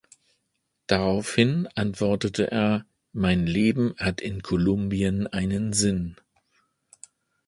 Daraufhin antwortete er, „Mein Leben hat in Kolumbien einen Sinn“.